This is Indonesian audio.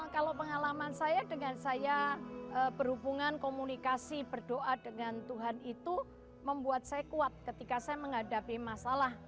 kalau pengalaman saya dengan saya berhubungan komunikasi berdoa dengan tuhan itu membuat saya kuat ketika saya menghadapi masalah